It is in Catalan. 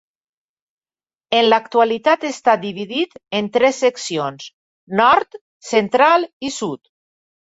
En l'actualitat està dividit en tres seccions: nord, central i sud.